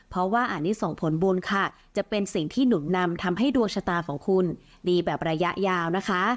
เพราะว่าอันนี้ส่งผลบุญค่ะจะเป็นสิ่งที่หนุนนำทำให้ดวงชะตาของคุณดีแบบระยะยาวนะคะ